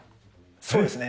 そうですね。